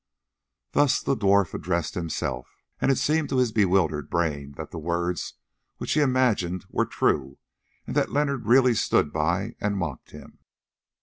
Thus the dwarf addressed himself, and it seemed to his bewildered brain that the words which he had imagined were true, and that Leonard really stood by and mocked him.